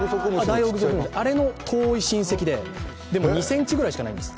あれの遠い親戚で、でも、２ｃｍぐらいしかないんですって。